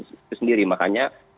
itu sendiri makanya